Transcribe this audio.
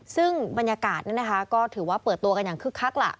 ซึ่งบรรยากาศนั้นนะคะก็ถือว่าเปิดตัวกันอย่างคึกคักล่ะ